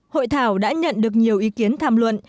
hội thảo đã nhận được nhiều ý kiến tham luận